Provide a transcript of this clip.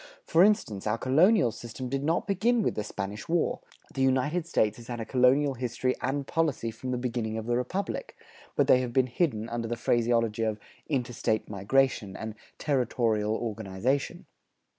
For instance, our colonial system did not begin with the Spanish War; the United States has had a colonial history and policy from the beginning of the Republic; but they have been hidden under the phraseology of "interstate migration" and "territorial organization."